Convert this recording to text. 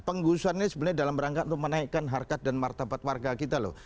penggusuran ini sebenarnya dalam rangka untuk menaikkan harkat dan martabat warga kita loh